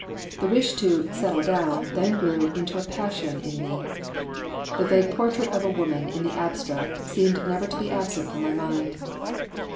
The wish to "settle down" then grew into a passion in me. The vague portrait of a woman in the abstract seemed never to be absent from my mind.